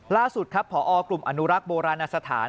ล่าสุดครับพอกลุ่มอนุรักษ์โบราณสถาน